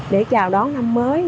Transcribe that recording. để chào đón năm mới